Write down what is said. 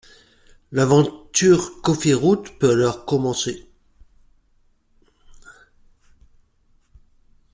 L’aventure Cofiroute peut alors commencer.